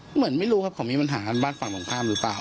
เหมือนไม่รู้ครับเขามีปัญหากันบ้านฝั่งตรงข้ามหรือเปล่า